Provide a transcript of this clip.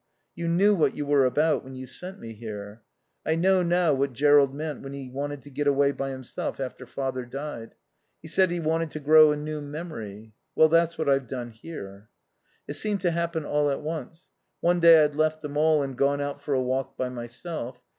You knew what you were about when you sent me here. I know now what Jerrold meant when he wanted to get away by himself after Father died. He said he wanted to grow a new memory. Well, that's what I've done here. "It seemed to happen all at once. One day I'd left them all and gone out for a walk by myself.